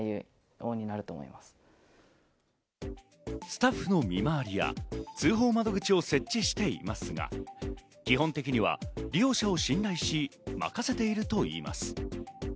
スタッフの見回りや通報窓口を設置していますが、基本的には利用者を信頼し、任せているといいます。